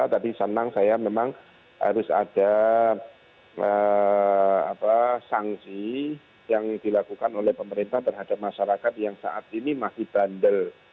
tadi senang saya memang harus ada sanksi yang dilakukan oleh pemerintah terhadap masyarakat yang saat ini masih bandel